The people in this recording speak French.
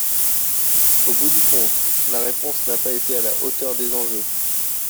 Au bout du compte, la réponse n’a pas été à la hauteur des enjeux.